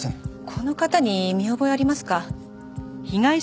この方に見覚えありますか？